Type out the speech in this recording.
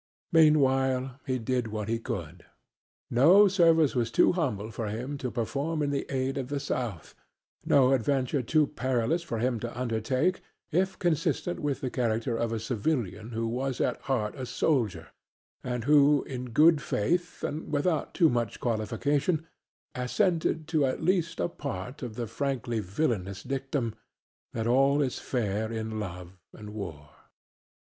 Meanwhile he did what he could. No service was too humble for him to perform in aid of the South, no adventure too perilous for him to undertake if consistent with the character of a civilian who was at heart a soldier, and who in good faith and without too much qualification assented to at least a part of the frankly villainous dictum that all is fair in love and war.